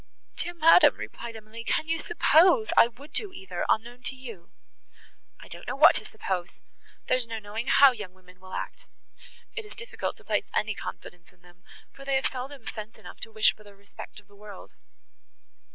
"Dear madam," replied Emily, "can you suppose I would do either, unknown to you!" "I don't know what to suppose; there is no knowing how young women will act. It is difficult to place any confidence in them, for they have seldom sense enough to wish for the respect of the world."